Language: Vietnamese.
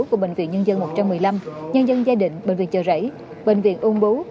của bệnh viện nhân dân một trăm một mươi năm nhân dân gia đình bệnh viện chợ rẫy bệnh viện úng bú